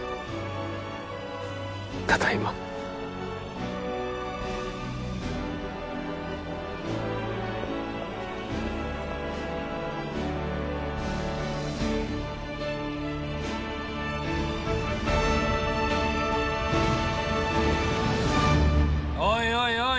ただいまおいおいおい